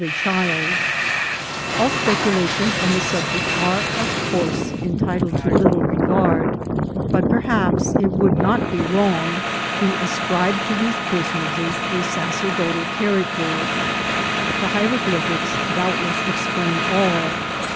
347 a child ; all speculations on the subject are of course entitled to little regard, but perhaps it would not be wrong to ascribe to these personages a sacerdotal character. The hieroglyphics doubtless explain all.